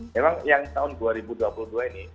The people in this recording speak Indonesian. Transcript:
memang yang tahun dua ribu dua puluh dua ini